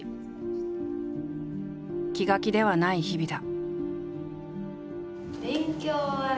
気が気ではない日々だ。